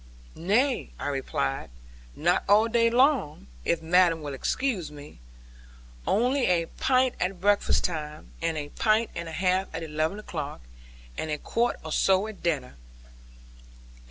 'Nay,' I replied, 'not all day long, if madam will excuse me. Only a pint at breakfast time, and a pint and a half at eleven o'clock, and a quart or so at dinner.